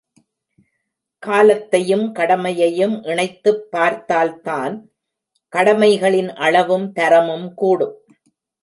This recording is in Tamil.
காலத்தையும் கடமையையும் இணைத்துப் பார்த்தால்தான் கடமைகளின் அளவும் தரமும் கூடும்.